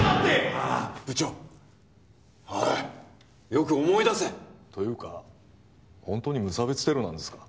まあ部長おいよく思い出せというかホントに無差別テロなんですか？